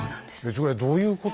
それはどういうこと？